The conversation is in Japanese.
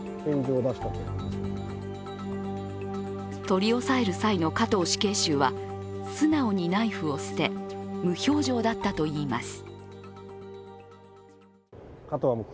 取り押さえる際の加藤死刑囚は素直にナイフを捨て無表情だったといいます。